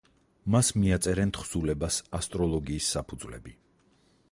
მას მიაწერენ თხზულებას „ასტროლოგიის საფუძვლები“.